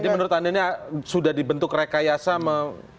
jadi menurut anda ini sudah dibentuk rekayasa